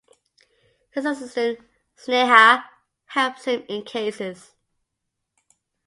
His assistant Sneha helps him in cases.